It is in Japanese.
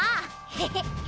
ヘヘッ！